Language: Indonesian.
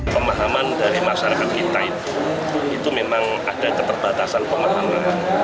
pemahaman dari masyarakat kita itu itu memang ada keterbatasan pemahaman